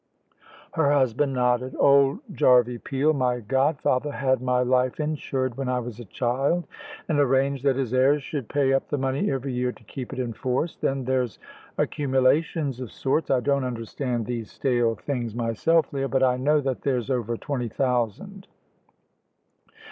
Her husband nodded. "Old Jarvey Peel, my godfather, had my life insured when I was a child, and arranged that his heirs should pay up the money every year to keep it in force. Then there's accumulations of sorts. I don't understand these stale things myself, Leah, but I know that there's over twenty thousand."